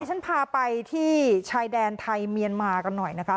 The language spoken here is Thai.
ฉันพาไปที่ชายแดนไทยเมียนมากันหน่อยนะคะ